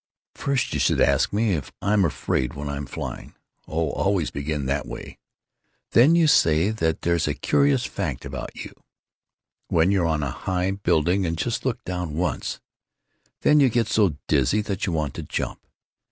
First you should ask me if I'm afraid when I'm flying. Oh, always begin that way. Then you say that there's a curious fact about you—when you're on a high building and just look down once, then you get so dizzy that you want to jump.